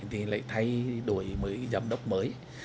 hai nghìn một mươi bảy thì lại thay đổi mới giám đốc mới